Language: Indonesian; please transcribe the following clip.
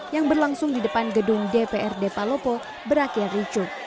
yang berlangsung di depan gedung dprd palopo berakhir ricuh